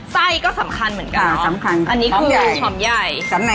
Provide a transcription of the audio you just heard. ไส้ก็สำคัญเหมือนกันอ่ะ